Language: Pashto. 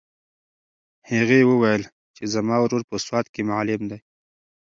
هغې وویل چې زما ورور په سوات کې معلم دی.